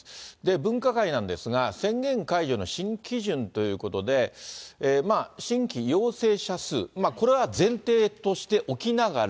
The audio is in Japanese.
分科会なんですが、宣言解除の新基準ということで、新規陽性者数、これは前提としておきながら。